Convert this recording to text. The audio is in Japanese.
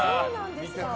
見てた。